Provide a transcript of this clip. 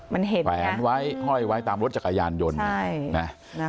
มันเห็นแขวนไว้ห้อยไว้ตามรถจักรยานยนต์